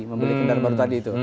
membeli kendaraan baru tadi itu